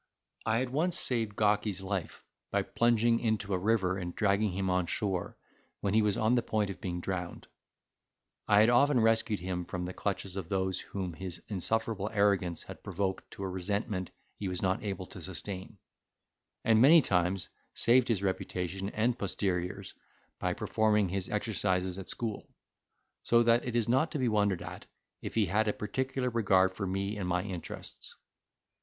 I had once saved Gawky's life, by plunging into a river and dragging him on shore, when he was on the point of being drowned. I had often rescued him from the clutches of those whom his insufferable arrogance had provoked to a resentment he was not able to sustain; and many times saved his reputation and posteriors, by performing his exercises at school; so that it is not to be wondered at, if he had a particular regard for me and my interests.